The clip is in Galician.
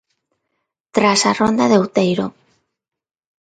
Tras a Ronda de Outeiro.